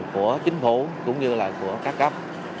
của chính phủ cũng như là của các cấp